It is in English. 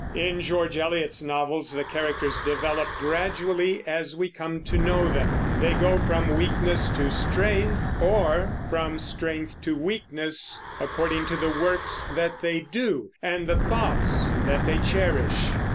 In George Eliot's novels the characters develop gradually as we come to know them. They go from weakness to strength, or from strength to weakness, according to the works that they do and the thoughts that they cherish.